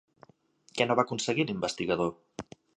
Què no va aconseguir l'investigador?